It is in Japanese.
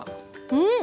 うん！